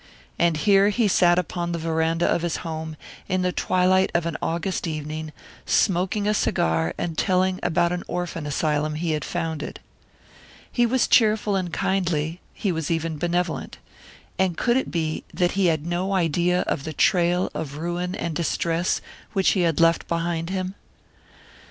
And here he sat upon the veranda of his home, in the twilight of an August evening, smoking a cigar and telling about an orphan asylum he had founded! He was cheerful and kindly; he was even benevolent. And could it be that he had no idea of the trail of ruin and distress which he had left behind him?